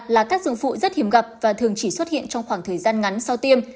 là các dựng vụ rất hiểm gặp và thường chỉ xuất hiện trong khoảng thời gian ngắn sau tiêm